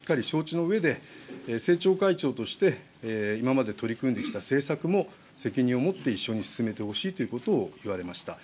総裁からは、そういう思いもしっかり承知のうえで、政調会長として今まで取り組んできた政策も責任を持って一緒に進めてほしいということを言われました。